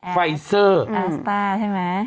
ไฟเซอร์อาสต้าใช่ไหม